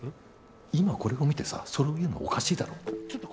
今これを見てさそれを言うのおかしいだろ？